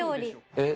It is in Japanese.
えっ？